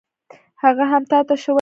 هغه هم تا ته شوی و.